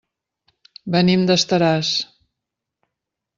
Venim d'Estaràs.